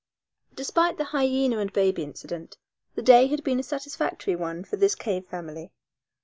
Despite the hyena and baby incident, the day had been a satisfactory one for this cave family.